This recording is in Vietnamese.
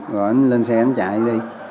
rồi ảnh lên xe ảnh chạy đi